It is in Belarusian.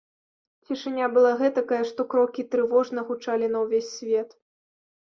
Цішыня была гэтакая, што крокі трывожна гучалі на ўвесь свет.